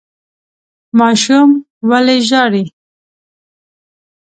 ماشوم ولې ژاړي ؟